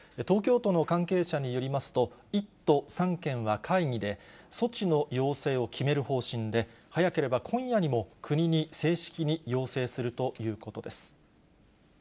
東京都の関係者によりますと、１都３県は会議で、措置の要請を決める方針で、早ければ今夜にも、国に正式に要請するということです。